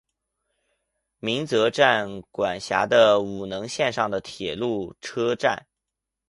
鸣泽站管辖的五能线上的铁路车站。